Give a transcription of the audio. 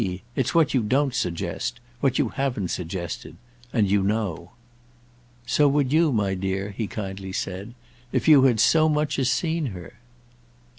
It's what you don't suggest—what you haven't suggested. And you know." "So would you, my dear," he kindly said, "if you had so much as seen her."